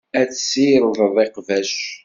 Ad tessirdeḍ iqbac.